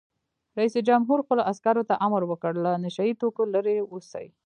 رئیس جمهور خپلو عسکرو ته امر وکړ؛ له نشه یي توکو لرې اوسئ!